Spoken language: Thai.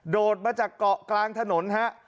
ดมาจากเกาะกลางถนนฮะ